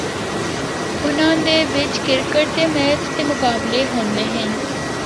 اُناں دے بچ کرکٹ دے میچ دے مقابلے ہوندے ہن۔